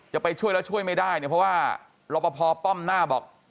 จะไปช่วยแล้วช่วยไม่ได้เนี่ยเพราะว่ารปภป้อมหน้าบอก